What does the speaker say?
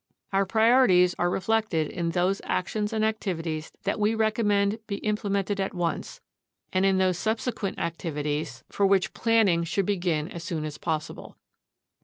Our priorities are reflected in those actions and activities that we recommend be implemented at once and in those subsequent activities INTRODUCTION / for which planning should begin as soon as possible.